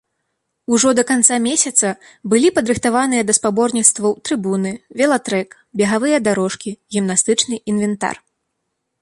Ужо да канца месяца былі падрыхтаваныя да спаборніцтваў трыбуны, велатрэк, бегавыя дарожкі, гімнастычны інвентар.